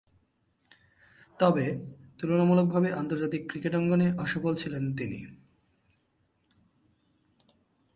তবে, তুলনামূলকভাবে আন্তর্জাতিক ক্রিকেট অঙ্গনে অসফল ছিলেন তিনি।